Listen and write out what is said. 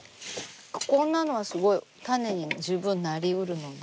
こんなのはすごい種に十分なりうるので。